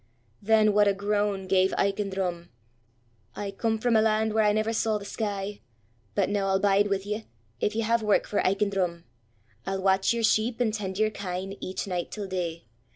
Then what a groan gave Aiken Drum! "I come from a land where I never saw the sky! But now I'll bide with you, if ye have work for Aiken Drum! I'll watch your sheep and tend your kine, each night till day.